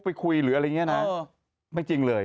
ไปคุยหรืออะไรอย่างนี้นะไม่จริงเลย